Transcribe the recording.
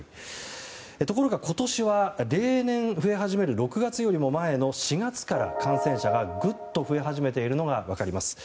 ところが今年は例年、増え始める６月よりも前の４月から感染者がぐっと増え始めているのが分かります。